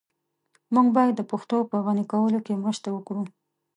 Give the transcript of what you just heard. موږ بايد د پښتو په غني کولو کي مرسته وکړو.